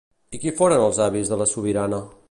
I qui foren els avis de la sobirana?